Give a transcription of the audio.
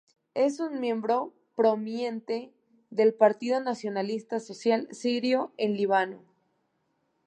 Es un miembro prominente del Partido Nacionalista Social sirio en Líbano.